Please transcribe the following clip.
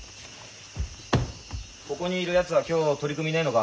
ここにいるやつは今日取組ねえのか？